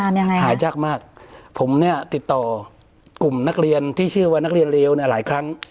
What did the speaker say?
ยังไงหายากมากผมเนี่ยติดต่อกลุ่มนักเรียนที่ชื่อว่านักเรียนเลวเนี่ยหลายครั้ง